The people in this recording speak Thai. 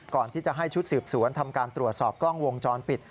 ก่อนที่จะให้ชุดสืบสวนทำการตรวจสอบกล้องวงจรปิด